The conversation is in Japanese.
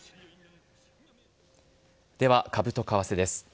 では株と為替です。